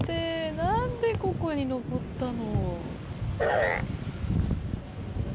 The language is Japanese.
なんでここに上ったの？